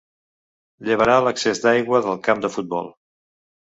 Llevarà l'excés d'aigua del camp de futbol.